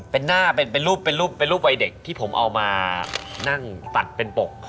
เป็นหน้าเป็นรูปวัยเด็กที่ผมเอามานั่งตัดเป็นปก